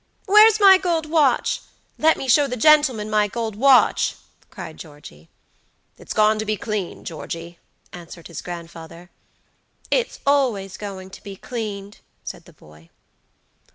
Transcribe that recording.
"Where's my gold watch? Let me show the gentleman my gold watch," cried Georgey. "It's gone to be cleaned, Georgey," answered his grandfather. "It's always going to be cleaned," said the boy.